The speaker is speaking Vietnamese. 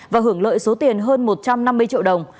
và hưởng lợi số tiền hơn một trăm năm mươi triệu đồng